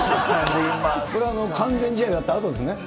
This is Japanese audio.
これは完全試合をやったあとですね。